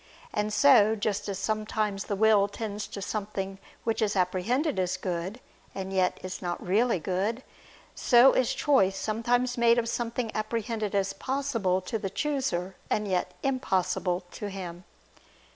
And so, just as sometimes the will tends to something which is apprehended as good, and yet is not really good; so is choice sometimes made of something apprehended as possible to the chooser, and yet impossible to him.